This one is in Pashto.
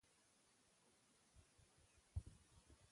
وروسته د ډول غږ پورته شو